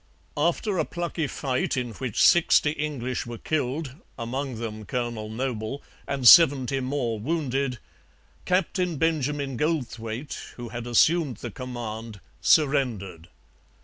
After a plucky fight in which sixty English were killed, among them Colonel Noble, and seventy more wounded, Captain Benjamin Goldthwaite, who had assumed the command, surrendered.